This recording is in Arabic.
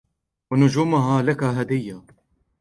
ونجومها لك هديّة.